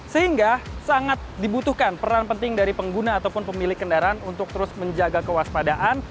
sehingga sangat dibutuhkan peran penting dari pengguna ataupun pemilik kendaraan untuk terus menjaga kewaspadaan